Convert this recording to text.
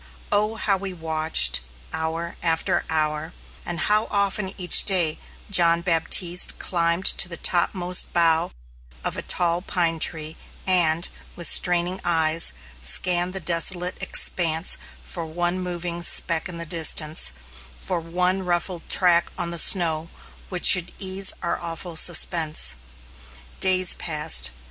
Oh, how we watched, hour after hour, and how often each day John Baptiste climbed to the topmost bough of a tall pine tree and, with straining eyes, scanned the desolate expanse for one moving speck in the distance, for one ruffled track on the snow which should ease our awful suspense. Days passed.